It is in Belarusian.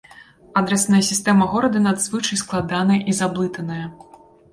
Адрасная сістэма горада надзвычай складаная і заблытаная.